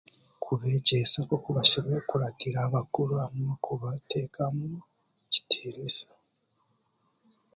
Kubeegyesa nk'oku bashemereire kukuratira abakuru kubateekamu ekitiinisa.